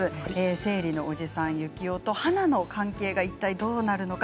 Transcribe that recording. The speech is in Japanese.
生理のおじさん幸男と花の関係がいったいどうなるのか。